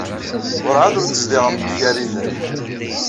Werɛad ur tezdiɣem deg Igariden.